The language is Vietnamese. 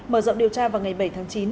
mở rộng điều tra vào ngày bảy tháng chín